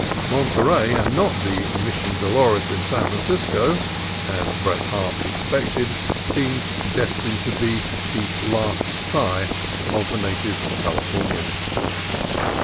Monterey, and not the Mission Dolores in San Francisco, as Bret Harte expected, seems "destined to be 'The Last Sigh' of the native Calif ornian."